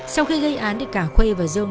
sau khi gây án thì cả khuê và dương